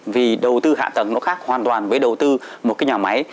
vì đầu tư hạ tầng nó khác hoàn toàn với đầu tư một cái nhà máy